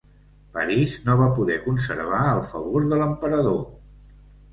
Paris no va poder conservar el favor de l'emperador.